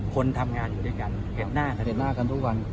คนทำงานอยู่ด้วยกันเห็นหน้าเห็นหน้ากันทุกวัน